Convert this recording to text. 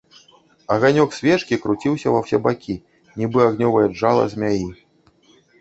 Аганёк свечкі круціўся ва ўсе бакі, нібы агнёвае джала змяі.